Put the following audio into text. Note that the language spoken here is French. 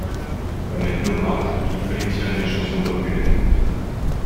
Comme ethnographe, il collectionne les chansons populaires.